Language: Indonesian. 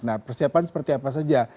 nah persiapan seperti apa saja